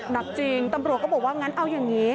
หนักจริงตำรวจก็บอกว่างั้นเอาอย่างนี้